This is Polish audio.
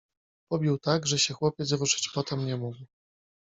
Pobił tak, że się chłopiec ruszyć potem nie mógł.